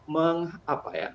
meng apa ya